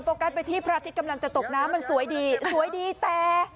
กัสไปที่พระอาทิตย์กำลังจะตกน้ำมันสวยดีสวยดีแต่